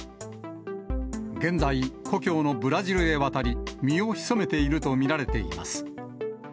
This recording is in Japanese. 現在、故郷のブラジルへ渡り、身を潜めていると見られています。